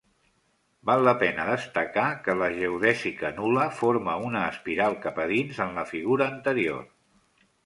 Val la pena destacar que la geodèsica nul·la forma una "espiral" cap a dins en la figura anterior.